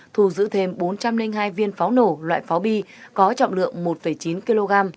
thu giữ thêm bốn trăm linh hai viên pháo nổ loại pháo bi có trọng lượng một chín kg